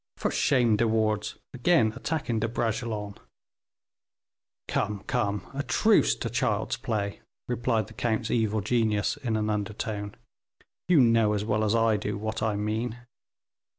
"For shame, De Wardes, again attacking De Bragelonne." "Come, come, a truce to child's play," replied the count's evil genius, in an undertone; "you know as well as I do what I mean.